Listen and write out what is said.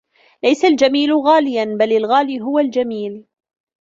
ليس الجميل غالياً بل الغالي هو الجميل.